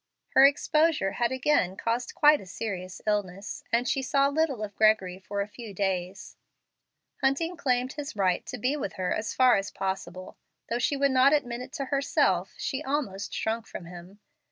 Her exposure had again caused quite a serious illness, and she saw little of Gregory for a few days. Hunting claimed his right to be with her as far as it was possible. Though she would not admit it to herself, she almost shrunk from him.